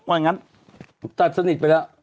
วันนั้นตัดสนิทไปแล้ว